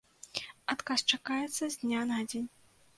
Адказ чакаецца з дня на дзень.